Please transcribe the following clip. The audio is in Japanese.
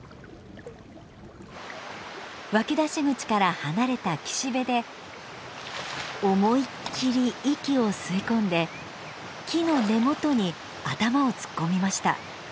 湧き出し口から離れた岸辺で思いっきり息を吸い込んで木の根元に頭を突っ込みました。